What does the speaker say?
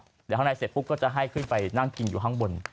เดี๋ยวข้างในเสร็จปุ๊บก็จะให้ขึ้นไปนั่งกินอยู่ข้างบน